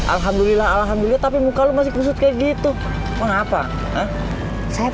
alhamdulillah alhamdulillah tapi muka lu masih pusat kayak gitu kenapa saya